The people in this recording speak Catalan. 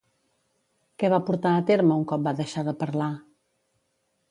Què va portar a terme un cop va deixar de parlar?